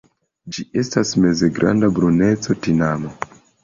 Ĝi estas mezgranda bruneca tinamo.